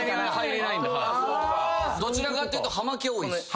どちらかっていうと葉巻多いっす。